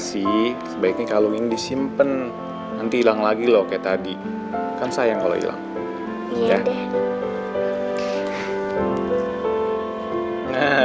sih sebaiknya kalau ini disimpen nanti hilang lagi lo kayak tadi kan sayang kalau hilang ya